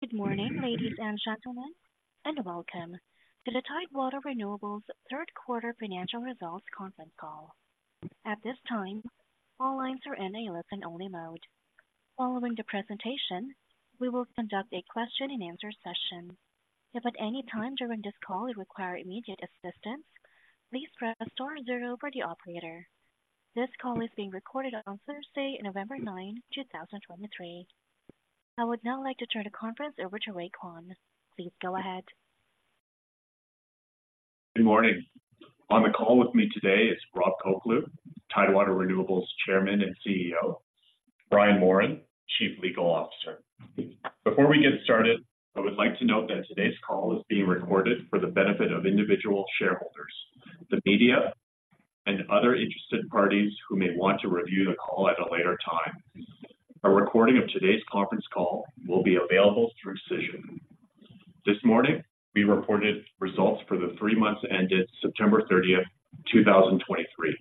Good morning, ladies and gentlemen, and welcome to the Tidewater Renewables third quarter financial results conference call. At this time, all lines are in a listen-only mode. Following the presentation, we will conduct a question-and-answer session. If at any time during this call you require immediate assistance, please press star zero for the operator. This call is being recorded on Thursday, November 9th, 2023. I would now like to turn the conference over to Ray Kwan. Please go ahead. Good morning. On the call with me today is Rob Colcleugh, Tidewater Renewables Chairman and CEO, Bryan Morin, Chief Legal Officer. Before we get started, I would like to note that today's call is being recorded for the benefit of individual shareholders, the media and other interested parties who may want to review the call at a later time. A recording of today's conference call will be available through Cision. This morning, we reported results for the three months ended September 30th, 2023.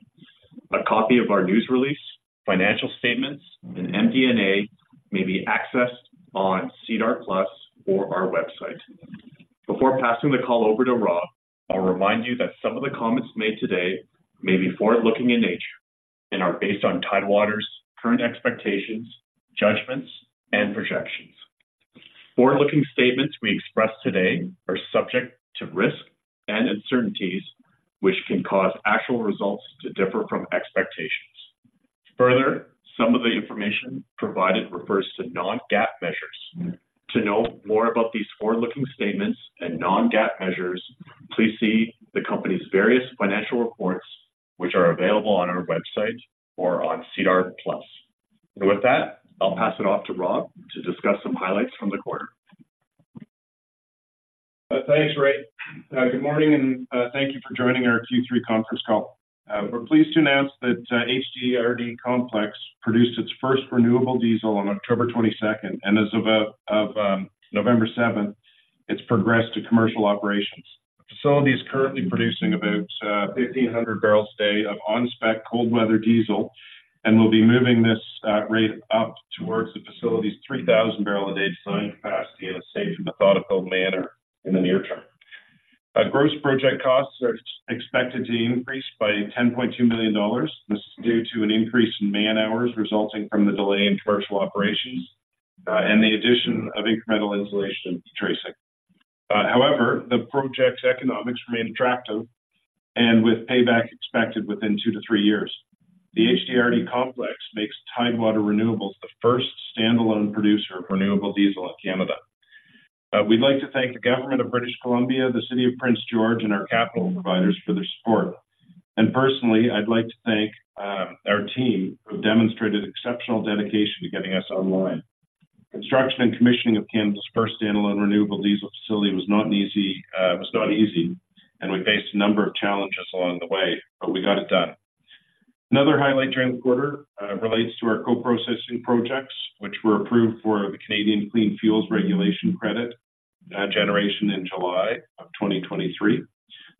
A copy of our news release, financial statements, and MD&A may be accessed on SEDAR+ or our website. Before passing the call over to Rob, I'll remind you that some of the comments made today may be forward-looking in nature and are based on Tidewater's current expectations, judgments, and projections. Forward-looking statements we express today are subject to risks and uncertainties, which can cause actual results to differ from expectations. Further, some of the information provided refers to non-GAAP measures. To know more about these forward-looking statements and non-GAAP measures, please see the company's various financial reports, which are available on our website or on SEDAR+. With that, I'll pass it off to Rob to discuss some highlights from the quarter. Thanks, Ray. Good morning, and thank you for joining our Q3 conference call. We're pleased to announce that HDRD Complex produced its first renewable diesel on October 22nd, and as of November 7th, it's progressed to commercial operations. Facility is currently producing about 1,500 barrels a day of on-spec cold weather diesel, and we'll be moving this rate up towards the facility's 3,000 barrel a day design capacity in a safe and methodical manner in the near term. Gross project costs are expected to increase by 10.2 million dollars. This is due to an increase in man-hours resulting from the delay in commercial operations, and the addition of incremental insulation and tracing. However, the project's economics remain attractive and with payback expected within 2-3 years. The HDRD Complex makes Tidewater Renewables the first standalone producer of renewable diesel in Canada. We'd like to thank the Government of British Columbia, the City of Prince George, and our capital providers for their support. Personally, I'd like to thank our team, who have demonstrated exceptional dedication to getting us online. Construction and commissioning of Canada's first standalone renewable diesel facility was not easy, and we faced a number of challenges along the way, but we got it done. Another highlight during the quarter relates to our co-processing projects, which were approved for the Canadian Clean Fuel Regulations credit generation in July 2023.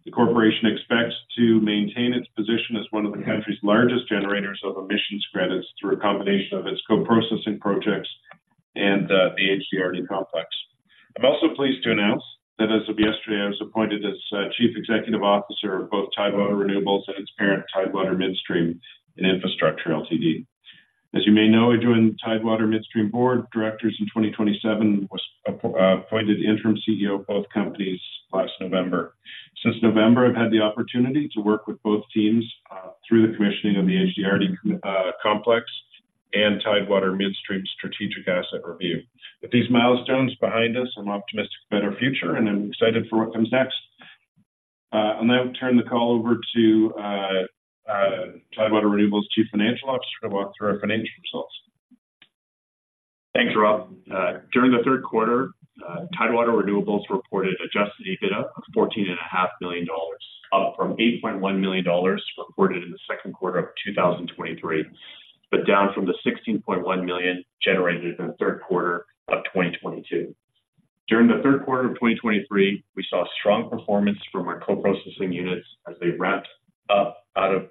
The corporation expects to maintain its position as one of the country's largest generators of emissions credits through a combination of its co-processing projects and the HDRD Complex. I'm also pleased to announce that as of yesterday, I was appointed as Chief Executive Officer of both Tidewater Renewables and its parent, Tidewater Midstream and Infrastructure Ltd. As you may know, I joined Tidewater Midstream Board of Directors in 2017, was appointed interim CEO of both companies last November. Since November, I've had the opportunity to work with both teams through the commissioning of the HDRD Complex and Tidewater Midstream's strategic asset review. With these milestones behind us, I'm optimistic about our future, and I'm excited for what comes next. I'll now turn the call over to Tidewater Renewables Chief Financial Officer to walk through our financial results. Thanks, Rob. During the third quarter, Tidewater Renewables reported Adjusted EBITDA of 14.5 million dollars, up from 8.1 million dollars reported in the second quarter of 2023, but down from the 16.1 million generated in the third quarter of 2022. During the third quarter of 2023, we saw strong performance from our co-processing units as they ramped up out of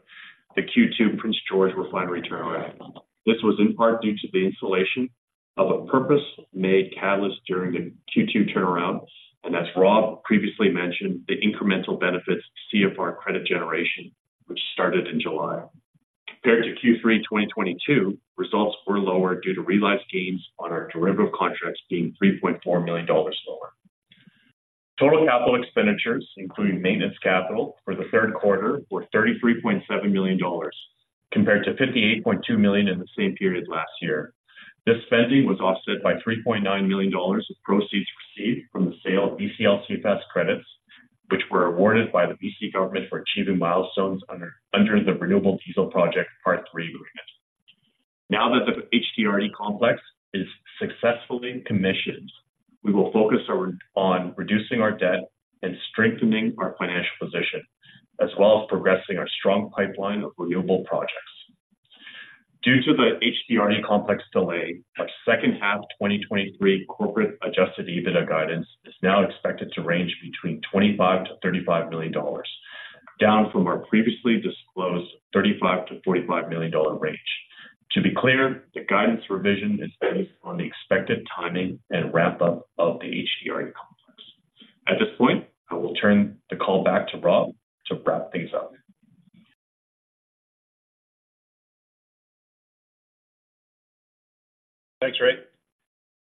the Q2 Prince George Refinery turnaround. This was in part due to the installation of a purpose-made catalyst during the Q2 turnaround, and as Rob previously mentioned, the incremental benefits CFR credit generation, which started in July. Compared to Q3 2022, results were lower due to realized gains on our derivative contracts being 3.4 million dollars lower. Total capital expenditures, including maintenance capital for the third quarter, were 33.7 million dollars, compared to 58.2 million in the same period last year. This spending was offset by 3.9 million dollars of proceeds received from the sale of BC LCFS credits, which were awarded by the BC government for achieving milestones under the Renewable Diesel Project, Part 3 Agreement. Now that the HDRD Complex is successfully commissioned, we will focus on reducing our debt and strengthening our financial position, as well as progressing our strong pipeline of renewable projects. Due to the HDRD Complex delay, our second half 2023 corporate Adjusted EBITDA guidance is now expected to range between 25 million-35 million dollars... down from our previously disclosed 35 million-45 million dollar range. To be clear, the guidance revision is based on the expected timing and ramp-up of the HDRD Complex. At this point, I will turn the call back to Rob to wrap things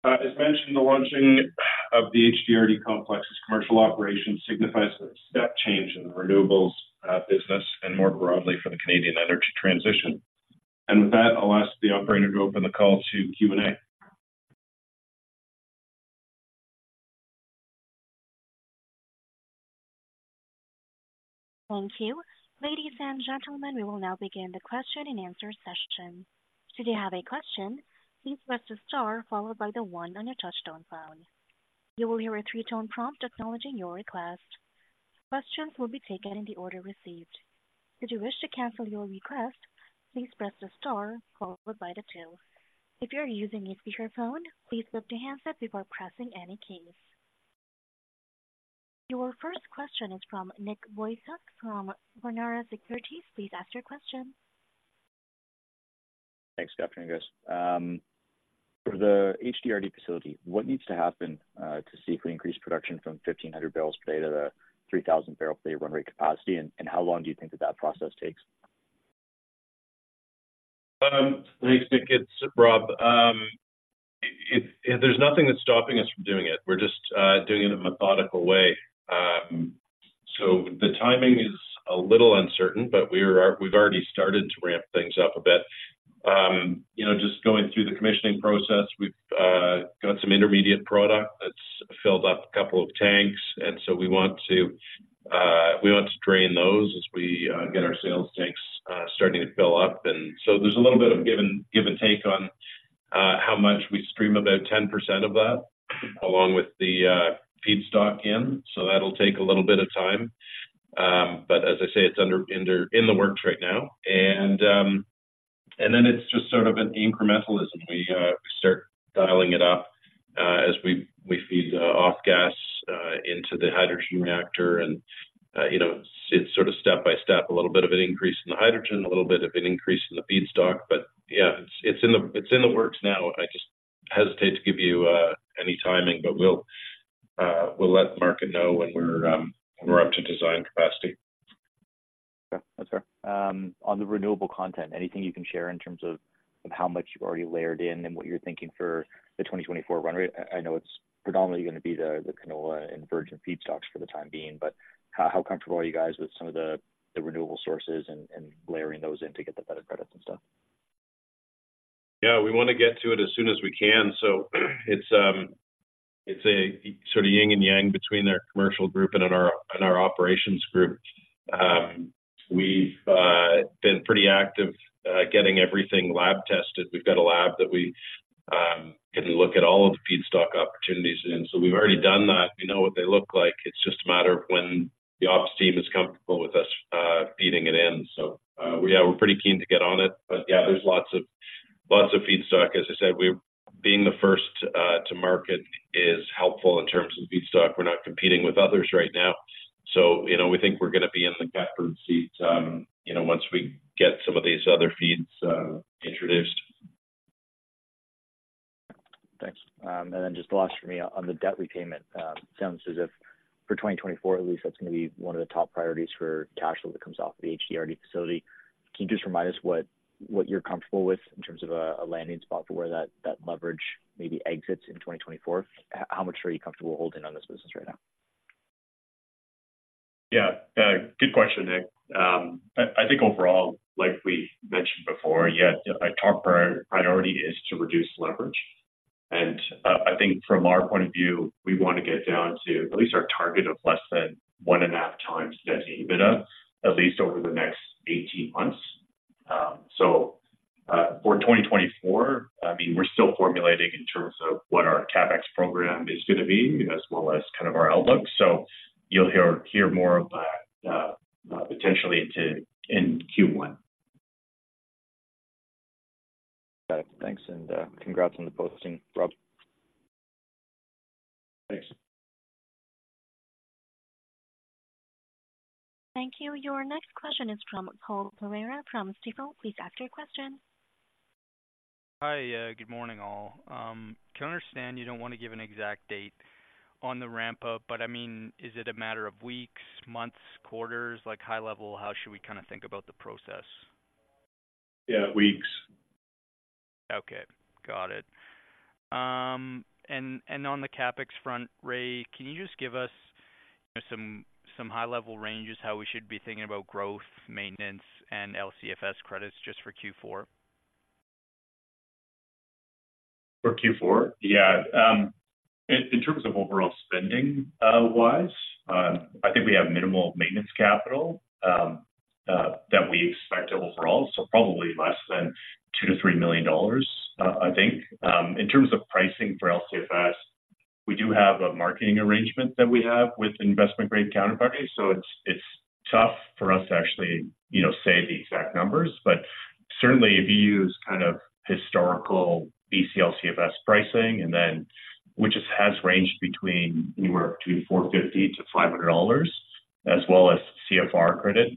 up. Thanks, Ray. As mentioned, the launching of the HDRD Complex's commercial operation signifies a step change in the renewables business and more broadly for the Canadian energy transition. With that, I'll ask the operator to open the call to Q&A. Thank you. Ladies and gentlemen, we will now begin the question-and-answer session. Should you have a question, please press the star followed by the one on your touchtone phone. You will hear a three-tone prompt acknowledging your request. Questions will be taken in the order received. If you wish to cancel your request, please press the star followed by the two. If you're using a speakerphone, please lift your handset before pressing any keys. Your first question is from Nick Boychuk from National Bank Financial. Please ask your question. Thanks, good afternoon, guys. For the HDRD facility, what needs to happen to safely increase production from 1,500 barrels per day to the 3,000 barrel per day run rate capacity? And how long do you think that process takes? Thanks, Nick. It's Rob. There's nothing that's stopping us from doing it. We're just doing it in a methodical way. So the timing is a little uncertain, but we've already started to ramp things up a bit. You know, just going through the commissioning process, we've got some intermediate product that's filled up a couple of tanks, and so we want to drain those as we get our sales tanks starting to fill up. And so there's a little bit of give and take on how much we stream, about 10% of that, along with the feedstock in, so that'll take a little bit of time. But as I say, it's under in the works right now. And then it's just sort of an incrementalism. We, we start dialing it up, as we, we feed off-gas into the hydrogen reactor. And, you know, it's sort of step-by-step, a little bit of an increase in the hydrogen, a little bit of an increase in the feedstock. But, yeah, it's in the works now. I just hesitate to give you any timing, but we'll, we'll let the market know when we're, when we're up to design capacity. Okay. That's fair. On the renewable content, anything you can share in terms of how much you've already layered in and what you're thinking for the 2024 run rate? I know it's predominantly going to be the canola and virgin feedstocks for the time being, but how comfortable are you guys with some of the renewable sources and layering those in to get the better credits and stuff? Yeah, we want to get to it as soon as we can. So it's a sort of yin and yang between our commercial group and in our, in our operations group. We've been pretty active getting everything lab tested. We've got a lab that we can look at all of the feedstock opportunities in. So we've already done that. We know what they look like. It's just a matter of when the ops team is comfortable with us feeding it in. So we are, we're pretty keen to get on it. But, yeah, there's lots of, lots of feedstock. As I said, we're being the first to market is helpful in terms of feedstock. We're not competing with others right now. So, you know, we think we're going to be in the driver's seat, you know, once we get some of these other feeds, introduced. Thanks. And then just the last for me on the debt repayment. It sounds as if for 2024 at least, that's going to be one of the top priorities for cash flow that comes off the HDRD facility. Can you just remind us what, what you're comfortable with in terms of a, a landing spot for where that, that leverage maybe exits in 2024? How much are you comfortable holding on this business right now? Yeah, good question, Nick. I think overall, like we mentioned before, yeah, our top priority is to reduce leverage. I think from our point of view, we want to get down to at least our target of less than 1.5x net EBITDA, at least over the next 18 months. So, for 2024, I mean, we're still formulating in terms of what our CapEx program is going to be, as well as kind of our outlook. So you'll hear more of that, potentially too in Q1. Got it. Thanks, and congrats on the posting, Rob. Thanks. Thank you. Your next question is from Cole Pereira from Stifel. Please ask your question. Hi. Good morning, all. I understand you don't want to give an exact date on the ramp-up, but I mean, is it a matter of weeks, months, quarters? Like, high level, how should we kind of think about the process? Yeah, weeks. Okay, got it. And on the CapEx front, Ray, can you just give us some high-level ranges, how we should be thinking about growth, maintenance, and LCFS credits just for Q4? For Q4? Yeah. In terms of overall spending wise, I think we have minimal maintenance capital that we expect overall, so probably less than 2 million-3 million dollars, I think. In terms of pricing for LCFS, we do have a marketing arrangement that we have with investment-grade counterparties, so it's tough for us to actually, you know, say the exact numbers, but. Certainly, if you use kind of historical BC LCFS pricing and then, which just has ranged between 450-500 dollars, as well as CFR credits,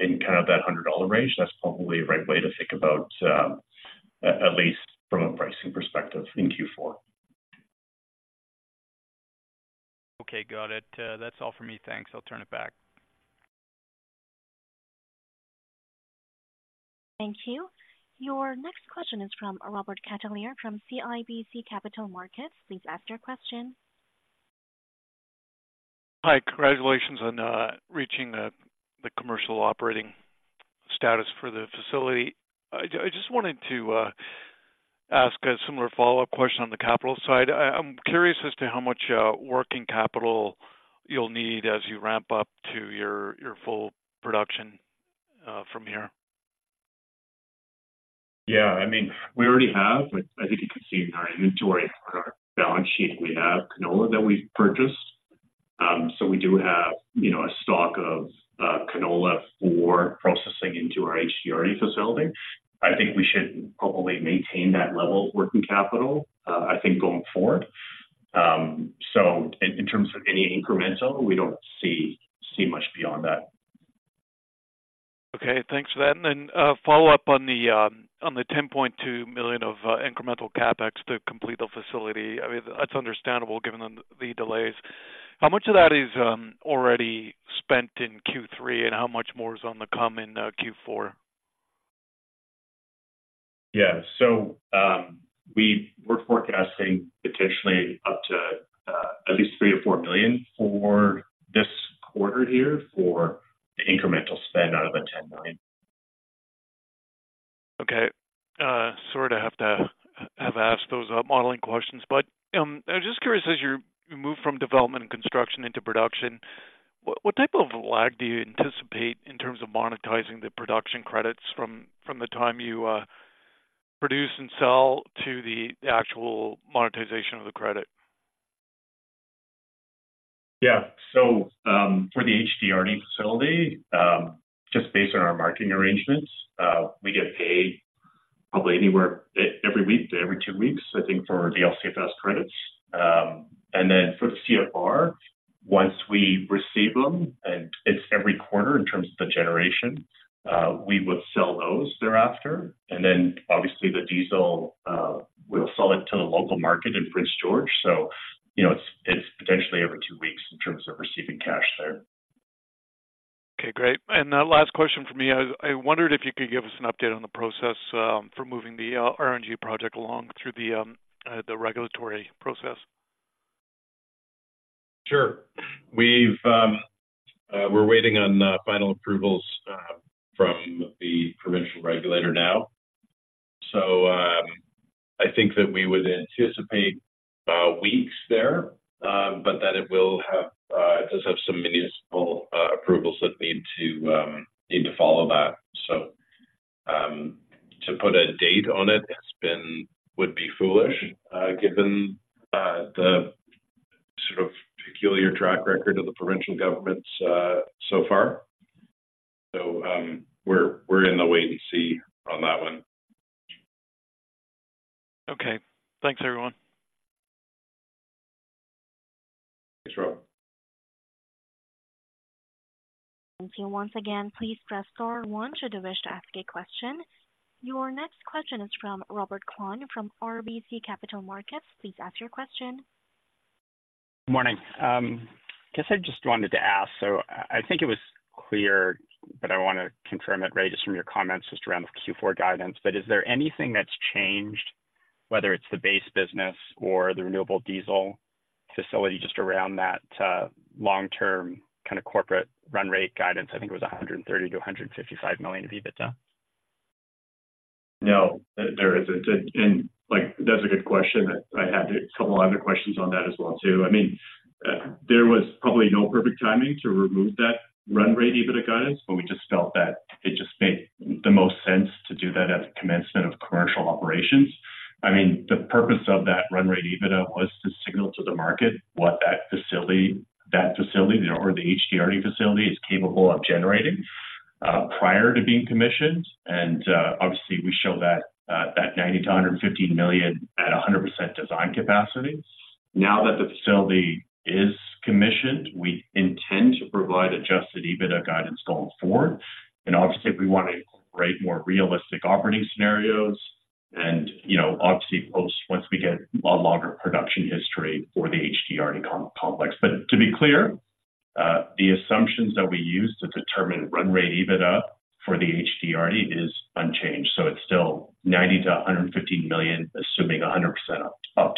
in kind of that 100 dollar range, that's probably the right way to think about at least from a pricing perspective in Q4. Okay, got it. That's all for me. Thanks. I'll turn it back. Thank you. Your next question is from Robert Catellier from CIBC Capital Markets. Please ask your question. Hi. Congratulations on reaching the commercial operating status for the facility. I just wanted to ask a similar follow-up question on the capital side. I'm curious as to how much working capital you'll need as you ramp up to your full production from here. Yeah, I mean, we already have. I think you can see in our inventory, on our balance sheet, we have canola that we've purchased. So we do have, you know, a stock of canola for processing into our HDRD facility. I think we should probably maintain that level of working capital, I think going forward. So in terms of any incremental, we don't see much beyond that. Okay, thanks for that. And then, follow-up on the, on the 10.2 million of incremental CapEx to complete the facility. I mean, that's understandable given the, the delays. How much of that is, already spent in Q3, and how much more is on the come in, Q4? Yeah. So, we're forecasting potentially up to at least 3 million- 4 million for this quarter here for the incremental spend out of the 10 million. Okay. Sorry to have to have asked those modeling questions, but I'm just curious, as you you move from development and construction into production, what what type of lag do you anticipate in terms of monetizing the production credits from from the time you produce and sell to the actual monetization of the credit? Yeah. So, for the HDRD facility, just based on our marketing arrangements, we get paid probably anywhere every week to every two weeks, I think, for the LCFS credits. And then for the CFR, once we receive them, and it's every quarter in terms of the generation, we would sell those thereafter, and then obviously the diesel, we'll sell it to the local market in Prince George. So, you know, it's, it's potentially every two weeks in terms of receiving cash there. Okay, great. And last question from me. I wondered if you could give us an update on the process for moving the RNG project along through the regulatory process? Sure. We're waiting on final approvals from the provincial regulator now. So, I think that we would anticipate weeks there, but then it will have... it does have some municipal approvals that need to follow that. So, to put a date on it, it would be foolish, given the sort of peculiar track record of the provincial governments so far. So, we're in the wait-and-see on that one. Okay. Thanks, everyone. Thanks, Rob. Once again, please press star one should you wish to ask a question. Your next question is from Robert Kwan from RBC Capital Markets. Please ask your question. Good morning. Guess I just wanted to ask, so I, I think it was clear, but I want to confirm it, right, just from your comments just around the Q4 guidance. But is there anything that's changed, whether it's the base business or the renewable diesel facility, just around that, long-term kind of corporate run rate guidance? I think it was 100 million-155 million of EBITDA. No, there isn't. And, and like, that's a good question that I had a couple other questions on that as well, too. I mean, there was probably no perfect timing to remove that run rate EBITDA guidance, but we just felt that it just made the most sense to do that at the commencement of commercial operations. I mean, the purpose of that run rate EBITDA was to signal to the market what that facility, that facility, you know, or the HDRD facility, is capable of generating, prior to being commissioned. And, obviously, we show that, that 90 million-150 million at 100% design capacity. Now that the facility is commissioned, we intend to provide Adjusted EBITDA guidance going forward. Obviously, we want to incorporate more realistic operating scenarios and, you know, obviously, post once we get a longer production history for the HDRD complex. But to be clear, the assumptions that we use to determine run-rate EBITDA for the HDRD is unchanged, so it's still 90 million-150 million, assuming 100% uptime.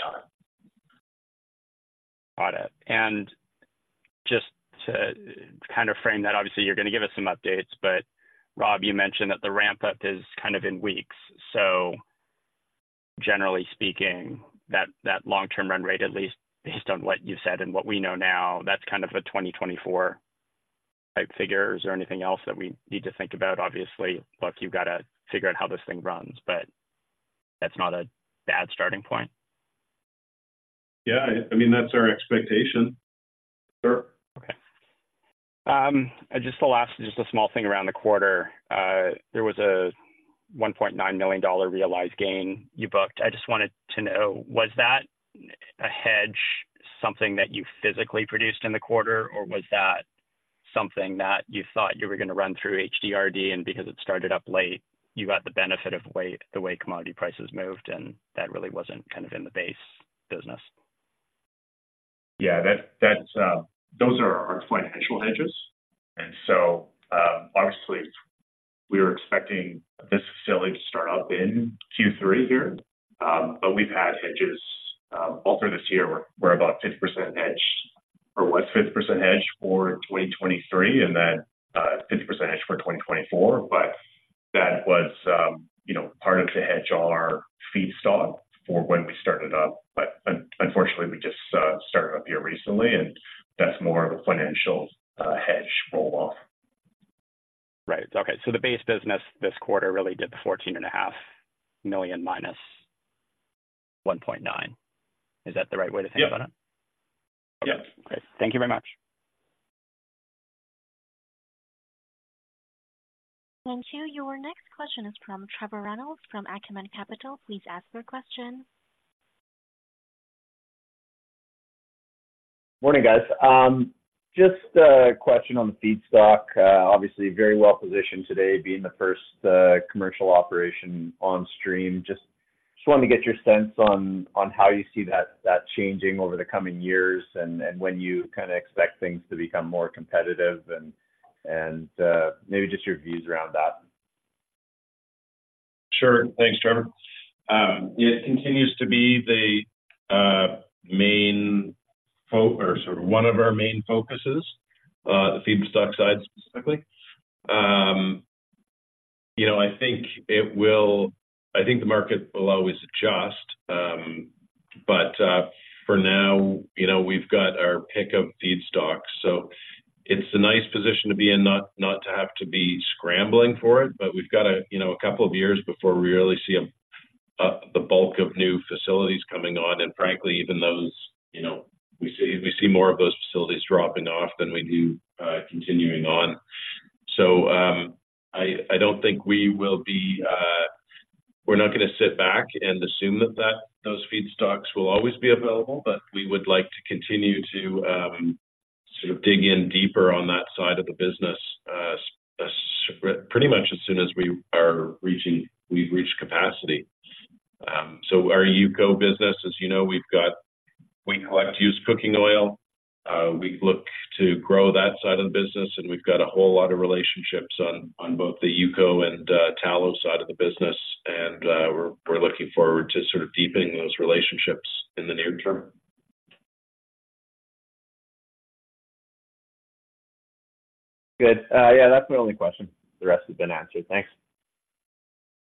Got it. And just to kind of frame that, obviously, you're going to give us some updates, but Rob, you mentioned that the ramp-up is kind of in weeks. So generally speaking, that, that long-term run rate, at least based on what you said and what we know now, that's kind of a 2024 type figure. Is there anything else that we need to think about? Obviously, look, you've got to figure out how this thing runs, but that's not a bad starting point. Yeah, I mean, that's our expectation. Sure. And just the last, just a small thing around the quarter. There was a 1.9 million dollar realized gain you booked. I just wanted to know, was that a hedge, something that you physically produced in the quarter? Or was that something that you thought you were going to run through HDRD, and because it started up late, you got the benefit of the way commodity prices moved, and that really wasn't kind of in the base business? Yeah, that, that's those are our financial hedges. And so, obviously, we were expecting this facility to start up in Q3 here. But we've had hedges all through this year. We're, we're about 50% hedged, 50% hedged for 2023, and then, 50% hedged for 2024. But that was, you know, part of the hedge on our feedstock for when we started up. But unfortunately, we just started up here recently, and that's more of a financial hedge roll-off. Right. Okay, so the base business this quarter really did the 14.5 million minus 1.9 million. Is that the right way to think about it? Yep. Okay. Thank you very much. Thank you. Your next question is from Trevor Reynolds, from Acumen Capital. Please ask your question. Morning, guys. Just a question on the feedstock. Obviously very well positioned today, being the first commercial operation on stream. Just wanted to get your sense on how you see that changing over the coming years, and maybe just your views around that. Sure. Thanks, Trevor. It continues to be the main focus or sort of one of our main focuses, the feedstock side specifically. You know, I think it will. I think the market will always adjust. But, for now, you know, we've got our pick of feedstocks. So it's a nice position to be in, not to have to be scrambling for it. But we've got, you know, a couple of years before we really see the bulk of new facilities coming on. And frankly, even those, you know, we see more of those facilities dropping off than we do continuing on. So, I don't think we will be. We're not going to sit back and assume that those feedstocks will always be available, but we would like to continue to sort of dig in deeper on that side of the business pretty much as soon as we've reached capacity. So our UCO business, as you know, we collect used cooking oil. We look to grow that side of the business, and we've got a whole lot of relationships on both the UCO and tallow side of the business. And we're looking forward to sort of deepening those relationships in the near term. Good. Yeah, that's my only question. The rest has been answered. Thanks.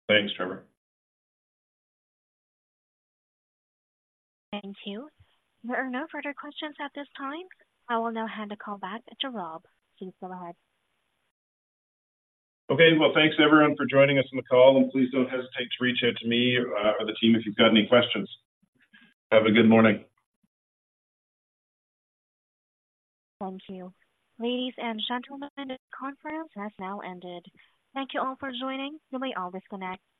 Thanks, Trevor. Thank you. There are no further questions at this time. I will now hand the call back to Rob. Please go ahead. Okay. Well, thanks, everyone, for joining us on the call, and please don't hesitate to reach out to me or, or the team if you've got any questions. Have a good morning. Thank you. Ladies and gentlemen, this conference has now ended. Thank you all for joining. You may all disconnect.